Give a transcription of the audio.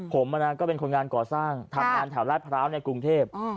ผมน่ะก็เป็นคนงานก่อสร้างครับทางงานแถวราชพระราชในกรุงเทพ